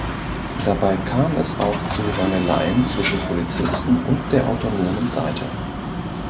Dabei kam es auch zu Rangeleien zwischen Polizisten und der autonomen Seite.